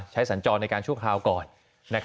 ใช้สันจรชุดคลาวก่อน